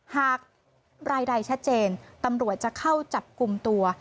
หากรายใดชัดเจนตำรวจจะเข้าจับกลุ่มตัว